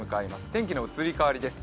天気の移り変わりです。